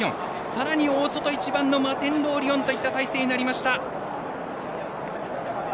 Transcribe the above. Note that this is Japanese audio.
さらに大外１番のマテンロウオリオンという態勢になりました。